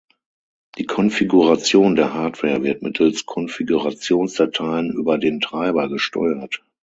Die Konfiguration der Hardware wird mittels Konfigurationsdateien über den Treiber gesteuert.